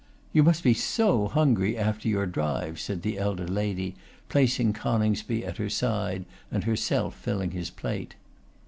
'You must be so hungry after your drive,' said the elder lady, placing Coningsby at her side, and herself filling his plate.